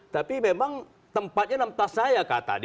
tapi memang tempatnya enam tas saya kata dia